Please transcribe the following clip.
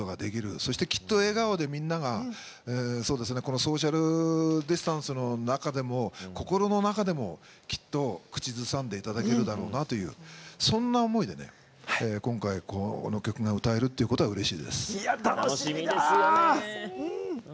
そして、きっと笑顔でみんながソーシャルディスタンスの中でも心の中でも、きっと口ずさんでいただけるだろうなとそんな思いで今回、この曲が歌えるってことはうれしいです。